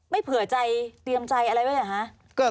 เผื่อใจเตรียมใจอะไรไว้เหรอคะ